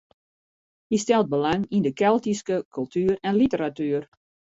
Hy stelt belang yn de Keltyske kultuer en literatuer.